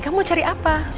kamu mau cari apa